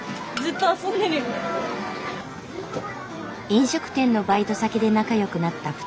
飲食店のバイト先で仲良くなった２人。